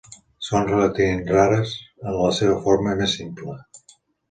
Són relativament rares en la seva forma més simple.